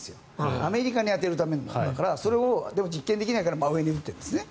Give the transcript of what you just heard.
アメリカに当てるためのものだけどそれを実験できないから真上に撃ってるんですね。